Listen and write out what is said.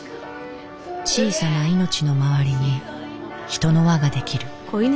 小さな命の周りに人の輪が出来る。